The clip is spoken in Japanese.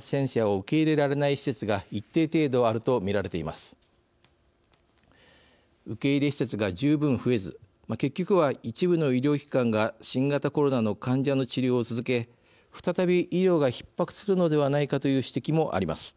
受け入れ施設が十分増えず結局は、一部の医療機関が新型コロナの患者の治療を続け再び医療がひっ迫するのではないかという指摘もあります。